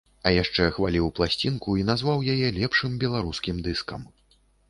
А яшчэ хваліў пласцінку і назваў яе лепшым беларускім дыскам.